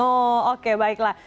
oh oke baiklah